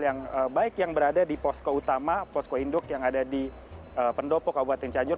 yang baik yang berada di posko utama posko induk yang ada di pendopo kabupaten cianjur